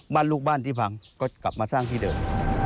ลูกบ้านที่พังก็กลับมาสร้างที่เดิม